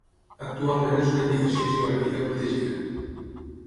Actualment és una Indicació Geogràfica protegida.